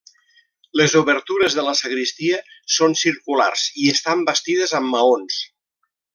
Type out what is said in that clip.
Les obertures de la sagristia són circulars i estan bastides amb maons.